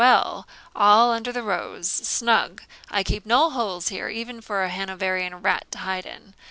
Well all under the rose snug I keep no holes here even for a Hanoverian rat to hide in.